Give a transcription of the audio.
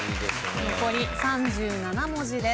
残り３７文字です。